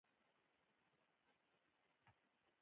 د عقرب د میاشتې نیمایي به وه چې آوازه شوه.